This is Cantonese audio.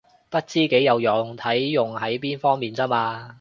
不知幾有用，睇用喺邊方面咋嘛